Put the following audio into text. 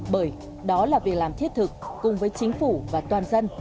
bởi đó là việc làm thiết thực cùng với chính phủ và toàn dân